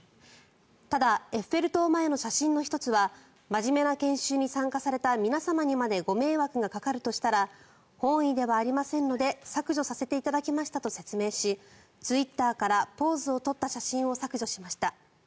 ただ、エッフェル塔前の写真の１つは真面目な研修に参加された皆様にまでご迷惑がかかるとしたら本意ではありませんので削除させていただきましたと説明しツイッターからポーズを取った写真を削除しました。